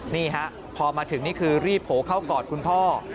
นี่ฮะพอมาถึงนี่คือรีบโผล่เข้ากอดคุณพ่อ